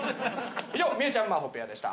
以上みえちゃんまほペアでした。